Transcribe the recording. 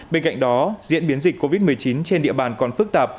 bên cạnh đó diễn biến dịch covid một mươi chín trên địa bàn còn phức tạp